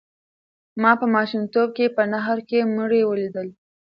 ما په ماشومتوب کې په نهر کې مړي ولیدل.